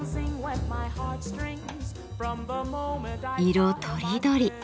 色とりどり